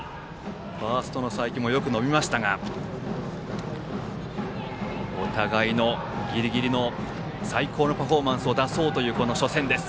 ファーストの佐伯もよく伸びましたがお互いのギリギリの最高のパフォーマンスを出そうという初戦。